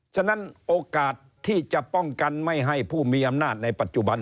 ฉะนั้นโอกาสที่จะป้องกันไม่ให้ผู้มีอำนาจในปัจจุบัน